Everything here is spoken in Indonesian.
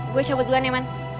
gue coba duluan ya man